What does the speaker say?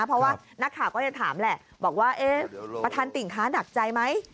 เพราะว่านักข่าวก็จะถามแหละบอกว่าเอ๊ะประธานติ่งคะหนักใจไหม